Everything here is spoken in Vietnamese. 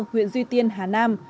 huyện duy tiên hà nam